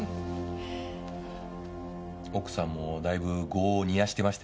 奥さんもだいぶ業を煮やしてましてね